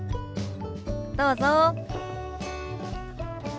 どうぞ。